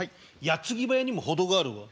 矢継ぎ早にも程があるわ。